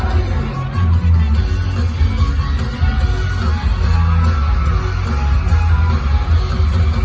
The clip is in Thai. พอเผื่อ